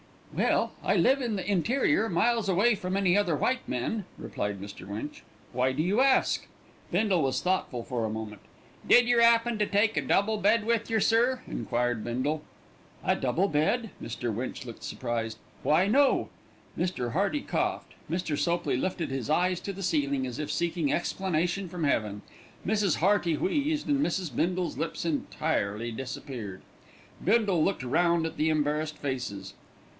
"Well, I live in the interior, miles away from any other white men," replied Mr. Winch. "Why do you ask?" Bindle was thoughtful for a moment. "Did yer 'appen to take a double bed with yer, sir?" enquired Bindle. "A double bed?" Mr. Winch looked surprised. "Why, no." Mr. Hearty coughed, Mr. Sopley lifted his eyes to the ceiling as if seeking explanation from heaven. Mrs. Hearty wheezed, and Mrs. Bindle's lips entirely disappeared. Bindle looked round at the embarrassed faces.